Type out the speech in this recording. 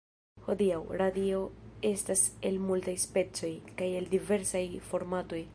Hodiaŭ, radio estas el multaj specoj, kaj el diversaj formatoj.